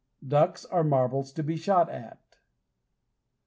Ducks are marbles to be shot at.